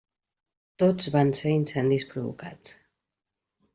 Tots van ser incendis provocats.